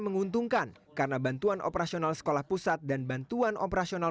menguntungkan karena bantuan operasional sekolah pusat dan bantuan operasional